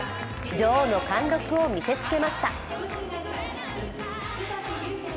女王の貫禄を見せつけました。